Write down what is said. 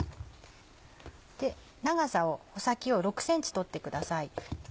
長さを穂先を６ｃｍ取ってください。